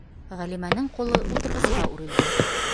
Ғәлимәнең ҡулы ултырғысҡа үрелде: